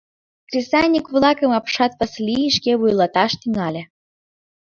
Кресаньык-влакым апшат Васлий шке вуйлаташ тӱҥале.